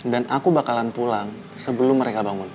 dan aku bakalan pulang sebelum mereka bangun